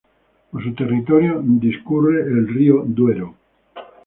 Por su territorio discurre el río Duero.